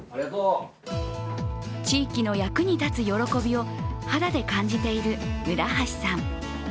地域の役に立つ喜びを肌で感じている村橋さん。